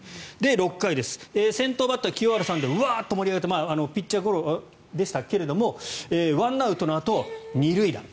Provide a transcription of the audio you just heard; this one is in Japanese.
６回です、先頭バッター清原さんで盛り上がってピッチャーゴロでしたが１アウトのあと２塁打。